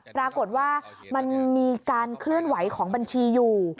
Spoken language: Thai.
ปรากฏว่ามันมีการเคลื่อนไหวของบัญชีอยู่